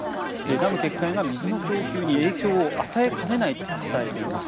ダム決壊が水の供給に影響を与えかねないと伝えています。